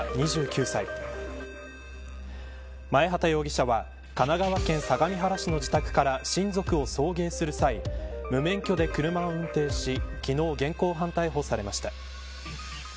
２９歳前畑容疑者は神奈川県相模原市の自宅から親族を送迎する際無免許で車を運転し昨日、現行犯逮捕されました。